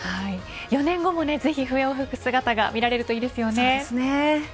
４年後もぜひ笛を吹く姿が見られるといいですよね。